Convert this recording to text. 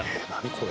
これ。